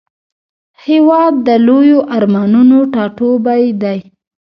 هېواد د لویو ارمانونو ټاټوبی دی.